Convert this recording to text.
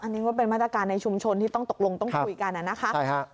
อันนี้ก็เป็นมาตรการในชุมชนที่ต้องตกลงต้องคุยกันนะคะ